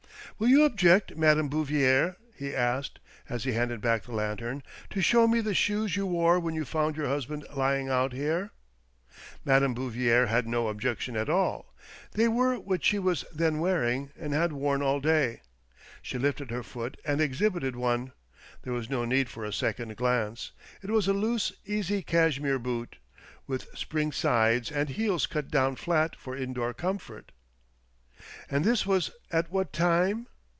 " Will you object, Madame Bouvier," he asked, as he handed back the lantern, " to show me the shoes you wore when you found your husband Ijang out here ?'' Madame Bouvier had no objection at all. They were what she was then wearing, and had worn all day. She hfted her foot and exhibited one. There was no need for a second glance. It was a loose easy cashmere boot, with spring sides and heels cut down flat for indoor comfort. " And this was at what time?